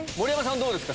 どうですか？